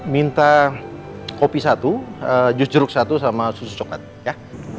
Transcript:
minta kopi satu jus jeruk satu sama susu coklat ya